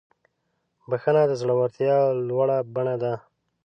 بخښنه د زړورتیا لوړه بڼه ده.